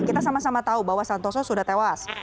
kita sama sama tahu bahwa santoso sudah tewas